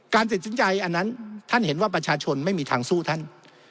ตัดสินใจอันนั้นท่านเห็นว่าประชาชนไม่มีทางสู้ท่าน